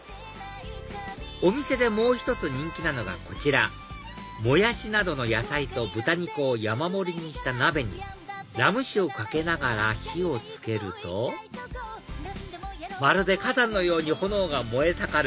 お店でもう１つ人気なのがこちらモヤシなどの野菜と豚肉を山盛りにした鍋にラム酒をかけながら火を付けるとまるで火山のように炎が燃え盛る